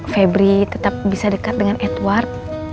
febri tetap bisa dekat dengan edward